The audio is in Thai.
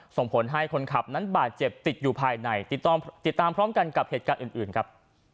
ส่งผลให้คนขับนั้นบาดเจ็บติดอยู่ภายในติดตามพร้อมกันกับเหตุการณ์อื่นครับ